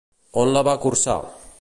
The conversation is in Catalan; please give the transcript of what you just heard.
On la va cursar?